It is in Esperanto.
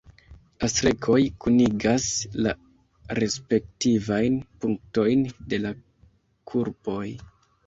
La strekoj kunigas la respektivajn punktojn de la kurboj.